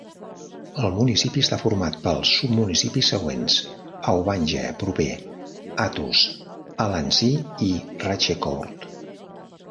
El municipi està format pels submunicipis següents: Aubange proper, Athus, Halanzy i Rachecourt.